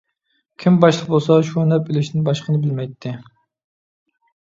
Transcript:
كىم باشلىق بولسا شۇ نەپ ئېلىشتىن باشقىنى بىلمەيتتى.